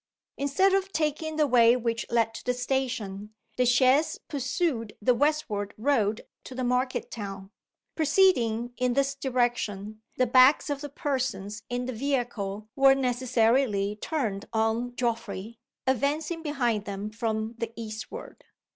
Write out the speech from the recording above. Instead of taking the way which led to the station, the chaise pursued the westward road to the market town. Proceeding in this direction, the backs of the persons in the vehicle were necessarily turned on Geoffrey, advancing behind them from the eastward.